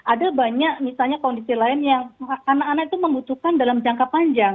ada banyak misalnya kondisi lain yang anak anak itu membutuhkan dalam jangka panjang